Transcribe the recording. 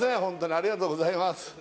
ホントにありがとうございます